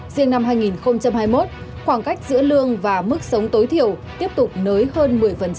riêng năm hai nghìn hai mươi một khoảng cách giữa lương và mức sống tối thiểu tiếp tục nới hơn một mươi